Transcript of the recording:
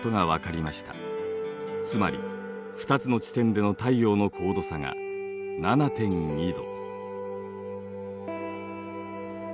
つまり２つの地点での太陽の高度差が７．２度。